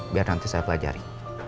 biar nanti saya pelajari